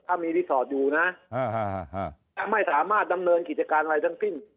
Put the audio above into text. ถ้ามีรีสอร์ทอยู่นะไม่สามารถดำเนินกิจการอะไรทั้งสิ้น